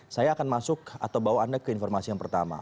saya akan masuk atau bawa anda ke informasi yang pertama